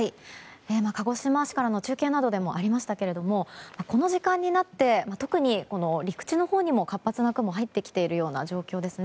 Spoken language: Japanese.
鹿児島市からの中継などでもありましたけれどもこの時間になって特に陸地のほうにも活発な雲が入ってきている状況です。